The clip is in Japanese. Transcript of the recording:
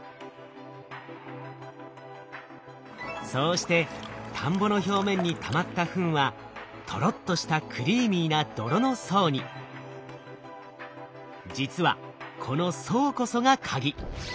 そうして田んぼの表面にたまったフンはとろっとした実はこの層こそがカギ。